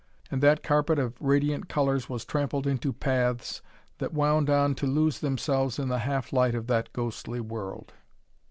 And that carpet of radiant colors was trampled into paths that wound on to lose themselves in the half light of that ghostly world.